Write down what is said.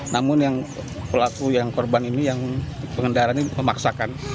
namun yang pelaku yang korban ini yang pengendara ini memaksakan